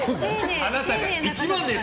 あなたが一番です！